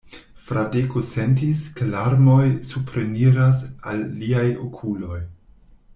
Fradeko sentis, ke larmoj supreniras al liaj okuloj.